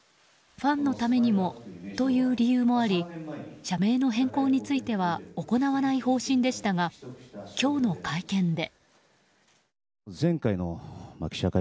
ファンのためにもという理由もあり社名の変更については行わない方針でしたが今日の会見で。